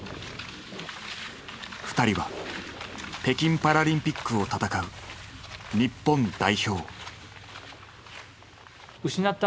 ２人は北京パラリンピックを戦う日本代表。